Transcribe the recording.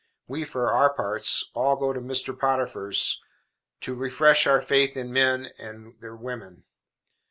We, for our parts, all go to Mrs. Potiphar's to refresh our faith in men and women.